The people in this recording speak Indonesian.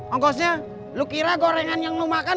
ongkosnya lu kira gorengan yang lu makan